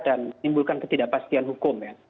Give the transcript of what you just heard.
dan menimbulkan ketidakpastian hukum ya